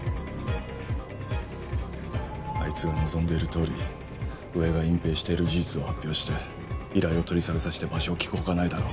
あいつが望んでいるとおり上が隠蔽している事実を発表して依頼を取り下げさせて場所を聞くほかないだろ